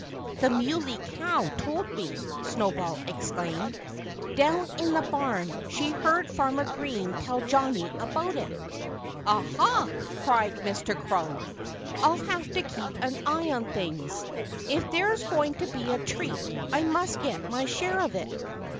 "The Muley Cow told me," Snowball explained. "Down in the barn she heard Farmer Green tell Johnnie about it." "Ah, ha!" cried Mr. Crow. "I'll have to keep an eye on things. If there's going to be a treat I must get my share of it.